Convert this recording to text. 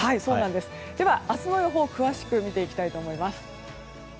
明日の予報を詳しく見ていきたいと思います。